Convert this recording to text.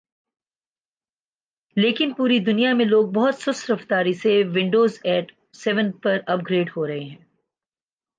لیکن پوری دنیا میں لوگ بہت سست رفتاری سے ونڈوزایٹ اور سیون پر اپ گریڈ ہوہے ہیں